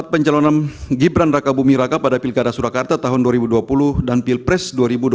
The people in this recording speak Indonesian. pencalonan gibran raka bumi raka pada pilkada surakarta tahun dua ribu dua puluh dan pilpres dua ribu dua puluh